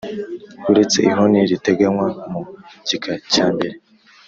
uretse ihoni riteganywa mu gika cya mbere.